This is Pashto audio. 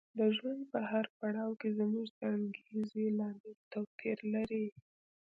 د ژوند په هر پړاو کې زموږ د انګېزې لامل توپیر لري.